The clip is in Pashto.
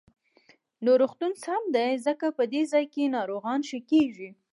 نو روغتون سم دی، ځکه په دې ځاى کې ناروغان ښه کېږي.